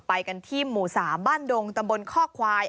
ไปกันที่หมู่๓บ้านดงตำบลข้อควาย